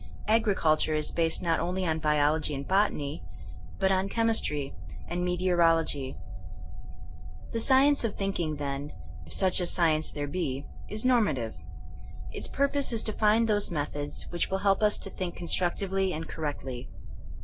Agriculture is based not only on biology and botany, but on chemistry and me teorology. THINKINO A8 A 80IEN0E 9 The science of thinkiiig, then, if such a sci ence there be, is normative. Its purpose is to find those methods which will help us to think constructively and correctly.